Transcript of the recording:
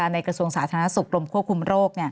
กระทรวงสาธารณสุขกรมควบคุมโรค